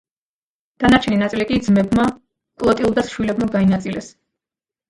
დანარჩენი ნაწილი კი ძმებმა, კლოტილდას შვილებმა, გაინაწილეს.